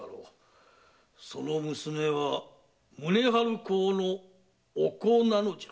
その娘は宗春公のお子なのじゃ。